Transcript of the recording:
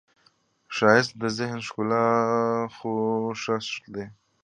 ښایست د ذهن ښکلې خوځښت دی